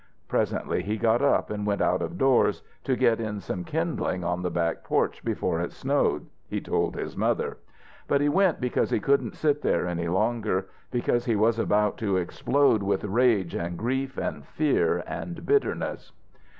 Presently he got up and went out of doors, to get in some kindling on the back porch before it snowed, he told his mother. But he went because he couldn't sit there any longer, because he was about to explode with rage and grief and fear and bitterness.